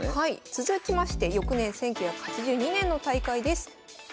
続きまして翌年１９８２年の大会です。